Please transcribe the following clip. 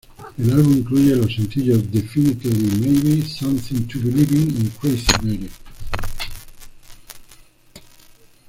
El álbum incluyó los sencillos "Definitely Maybe", "Something to Believe In" y "Crazy Mary".